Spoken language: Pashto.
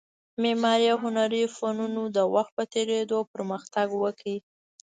معماري او هنري فنونو د وخت په تېرېدو پرمختګ وکړ